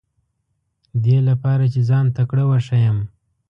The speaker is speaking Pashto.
دې لپاره چې ځان تکړه وښیم.